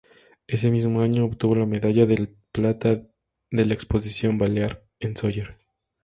Ese mismo año, obtuvo la medalla de plata de la Exposición Balear, en Sóller.